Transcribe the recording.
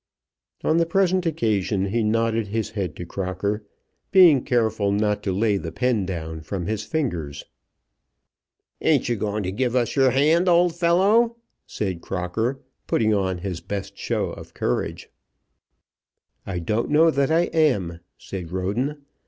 On the present occasion he nodded his head to Crocker, being careful not to lay the pen down from his fingers. "Ain't you going to give us your hand, old fellow?" said Crocker, putting on his best show of courage. "I don't know that I am," said Roden.